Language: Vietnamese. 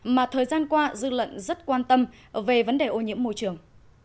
mà thời gian qua dư luận rất quan tâm về vấn đề ô nhiễm môi trường